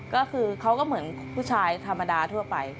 ก็คือเขาก็เหมือนผู้ชายธรรมดาทั่วไป